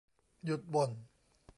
หยุดบ่น